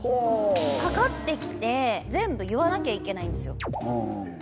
かかって来て全部言わなきゃいけないんですよ。